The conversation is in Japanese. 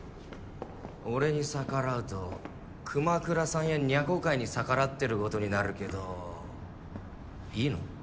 俺に逆らうと熊倉さんや若琥会に逆らってることになるけどいいの？